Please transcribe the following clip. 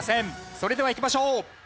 それではいきましょう！